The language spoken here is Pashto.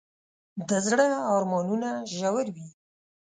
د زړه ارمانونه ژور وي.